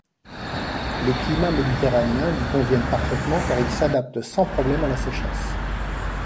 Les climats méditerranéens lui conviennent parfaitement, car il s'adapte sans problème à la sécheresse.